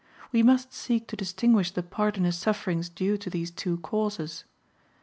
We must seek to distinguish the part in his sufferings due to these two causes.